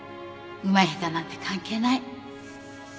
うまい下手なんて関係ない。